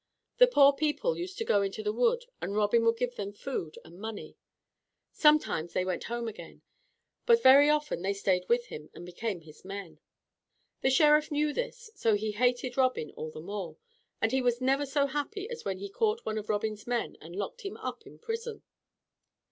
The poor people used to go into the wood, and Robin would give them food and money. Sometimes they went home again, but very often they stayed with him, and became his men. The Sheriff knew this, so he hated Robin all the more, and he was never so happy as when he had caught one of Robin's men and locked him up in prison.